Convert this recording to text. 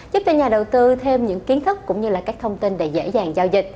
giúp cho nhà đầu tư thêm những kiến thức cũng như là các thông tin để dễ dàng giao dịch